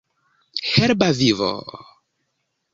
Herba vivo...